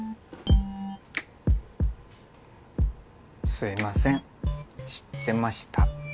すみません知ってました。